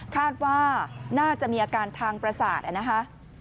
คาดว่าน่าจะมีอาการทางประสาทนะคะ